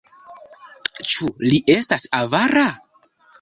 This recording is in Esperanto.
Ĉu li estas avara?